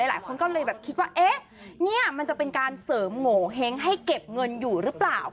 หลายคนก็เลยแบบคิดว่าเอ๊ะเนี่ยมันจะเป็นการเสริมโงเห้งให้เก็บเงินอยู่หรือเปล่า